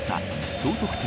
総得点